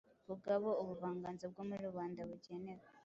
Vuga abo ubuvanganzo bwo muri rubanda bugenewe.